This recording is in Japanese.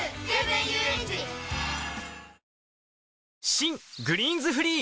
新「グリーンズフリー」